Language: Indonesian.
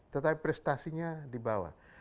tetapi prestasinya di bawah